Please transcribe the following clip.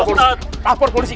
halo pak ustad kalau misalnya